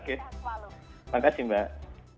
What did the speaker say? terima kasih mbak